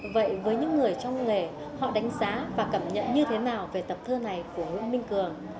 vậy với những người trong nghề họ đánh giá và cảm nhận như thế nào về tập thơ này của nguyễn minh cường